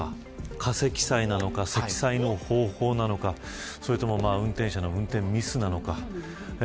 過積載なのか、積載の方法なのか運転手の運転ミスなのか。